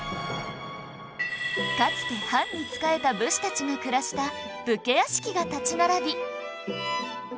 かつて藩に仕えた武士たちが暮らした武家屋敷が立ち並び